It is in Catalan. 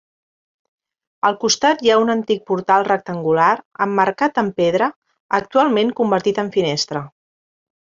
Al costat hi ha un antic portal rectangular emmarcat amb pedra, actualment convertit en finestra.